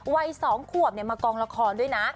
วัย๒ขวบมากองละครด้วยนะ